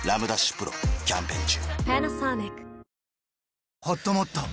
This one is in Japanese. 丕劭蓮キャンペーン中